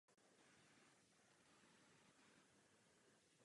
Další osudy obou ponorek jsou velmi odlišné.